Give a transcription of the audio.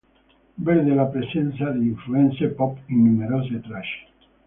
Vede la presenza di influenze pop in numerose tracce.